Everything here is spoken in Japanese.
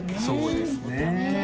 そうですね